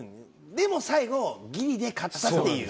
でも最後ギリで勝ったっていう。